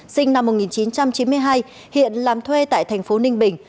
sinh năm một nghìn chín trăm chín mươi hai hiện làm thuê tại thành phố ninh bình